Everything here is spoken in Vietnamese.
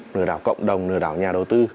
lừa đảo cộng đồng lừa đảo nhà đầu tư